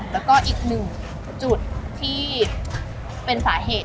แล้วก็อีกหนึ่งจุดที่เป็นสาเหตุ